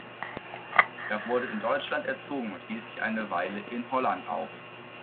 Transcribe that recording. Er wurde in Deutschland erzogen und hielt sich eine Weile in Holland auf.